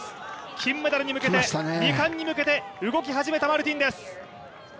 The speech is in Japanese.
金メダル、２冠に向けて動き始めたマルティンです。